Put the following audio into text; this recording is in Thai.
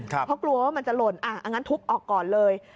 เพราะกลัวว่ามันจะหล่นอันนั้นทุบออกก่อนเลย